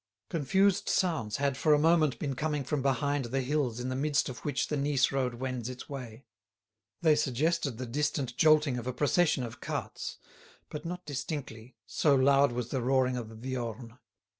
Confused sounds had for a moment been coming from behind the hills in the midst of which the Nice road wends its way. They suggested the distant jolting of a procession of carts; but not distinctly, so loud was the roaring of the Viorne.